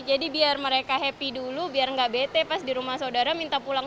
jadi biar mereka happy dulu biar gak bete pas di rumah saudara minta pulang